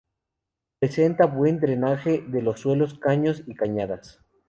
Presenta buen drenaje de los suelos, caños y "cañadas".